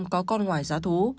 tờ này cũng có con ngoài giá thú